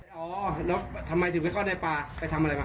อ๋อแล้วทำไมถึงไปเข้าในป่าไปทำอะไรมา